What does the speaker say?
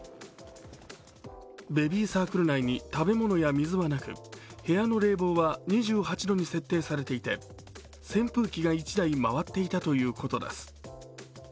ベビーサークル内に食べ物や水はなく、部屋の冷房は２８度に設定されていて扇風機が１台、回っていたということです。